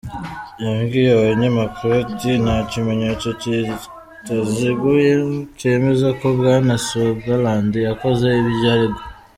Yabwiye abanyamakuru ati: "Nta kimenyetso kitaziguye cyemeza ko Bwana Sutherland yakoze ibyo aregwa.